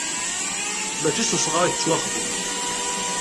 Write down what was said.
Mačči s usɣar i tettwaxdem.